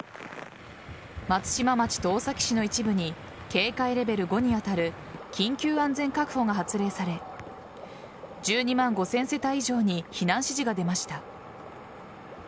松島町と大崎市の一部に警戒レベル５に当たる緊急安全確保が発令され１２万５０００世帯以上に避難指示が出ました。